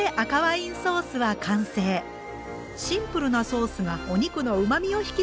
シンプルなソースがお肉のうまみを引き出してくれるそうです。